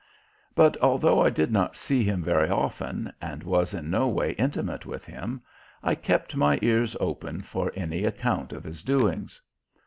But although I did not see him very often and was in no way intimate with him, I kept my ears open for any account of his doings.